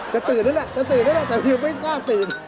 ตื่นแล้วแหละจะตื่นเต้นแต่วิวไม่กล้าตื่น